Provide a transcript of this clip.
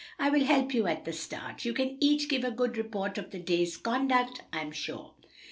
"I will help you at the start. You can each give a very good report of to day's conduct, I am sure.